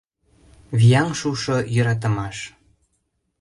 «Вияҥ шушо йӧратымаш...»